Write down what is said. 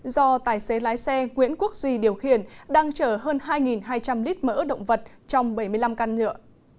do tài xế lái xe nguyễn quốc duy điều khiển đang chở hơn hai hai trăm linh lít mỡ động vật trong bảy mươi năm căn nhựa